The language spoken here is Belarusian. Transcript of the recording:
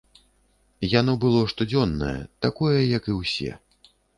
Яно было штодзённае, такое, як і ўсе.